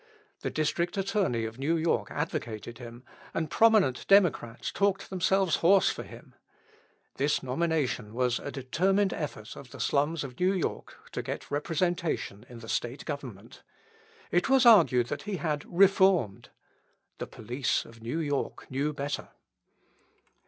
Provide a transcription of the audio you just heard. The District Attorney of New York advocated him, and prominent Democrats talked themselves hoarse for him. This nomination was a determined effort of the slums of New York to get representation in the State Government. It was argued that he had reformed. The police of New York knew better.